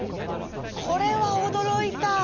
これはおどろいた。